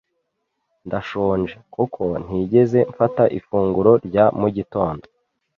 Ndashonje kuko ntigeze mfata ifunguro rya mu gitondo.